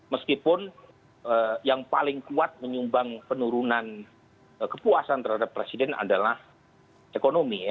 meskipun yang paling kuat menyumbang penurunan kepuasan terhadap presiden adalah ekonomi